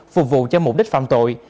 phục vụ cho mục đích phạm tội